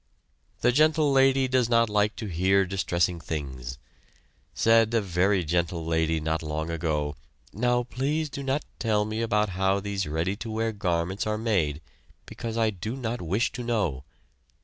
The Gentle Lady does not like to hear distressing things. Said a very gentle lady not long ago: "Now, please do not tell me about how these ready to wear garments are made, because I do not wish to know.